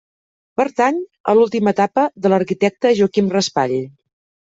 Pertany a l'última etapa de l'arquitecte Joaquim Raspall.